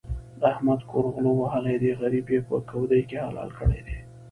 د احمد کور غلو وهلی دی؛ غريب يې په کودي کې حلال کړی دی.